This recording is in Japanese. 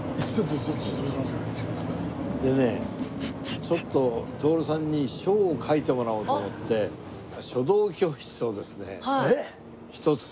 でねちょっと徹さんに書を書いてもらおうと思って書道教室をですねひとつ。